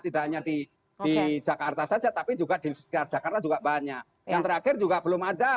tidak hanya di jakarta saja tapi juga di sekitar jakarta juga banyak yang terakhir juga belum ada